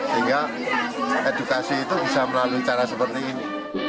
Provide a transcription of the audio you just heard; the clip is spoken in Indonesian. sehingga edukasi itu bisa melalui cara seperti ini